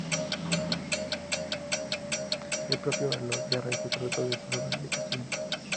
El propio Elorriaga es el traductor de sus obras al castellano.